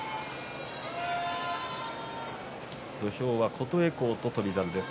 土俵は琴恵光と翔猿です。